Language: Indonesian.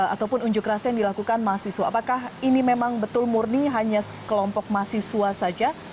ataupun unjuk rasa yang dilakukan mahasiswa apakah ini memang betul murni hanya kelompok mahasiswa saja